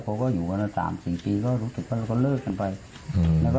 เขาอยู่กันแล้ว๓๔ปีก็เลยเกิดความเข้าใจเลย